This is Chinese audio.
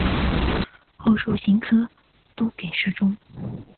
后授刑科都给事中。